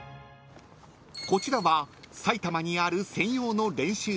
［こちらは埼玉にある専用の練習場］